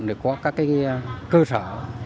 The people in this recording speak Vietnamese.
để có các cơ sở